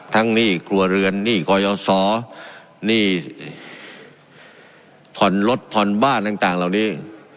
หนี้ครัวเรือนหนี้กยศหนี้ผ่อนรถผ่อนบ้านต่างเหล่านี้